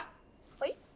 ⁉はい？